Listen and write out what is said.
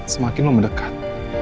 semakin lo mendekat